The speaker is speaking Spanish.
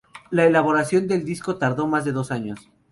La elaboración del disco tardó más de dos años.